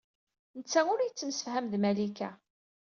Netta ur yettemsefham ed Malika.